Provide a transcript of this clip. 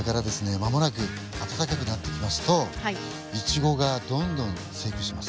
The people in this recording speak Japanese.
間もなく暖かくなってきますとイチゴがどんどん生育します。